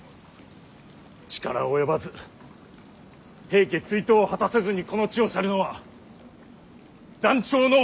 力及ばず平家追討を果たせずにこの地を去るのは断腸の思い。